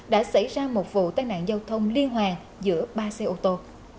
đã xảy ra một vụ tai nạn giao thông liên hoàn giữa ba xe ô tô